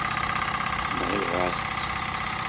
Nɣiɣ-as-tt.